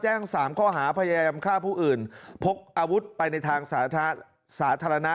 แจ้ง๓ข้อหาพยายามฆ่าผู้อื่นพกอาวุธไปในทางสาธารณะ